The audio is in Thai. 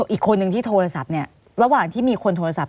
อีกคนนึงที่โทรศัพท์เนี่ยระหว่างที่มีคนโทรศัพท์